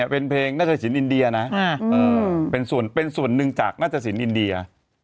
เป็นเพลงนาฬสินอินเดียนะเป็นส่วนเป็นส่วนนึงจากนาฬสินอินเดีย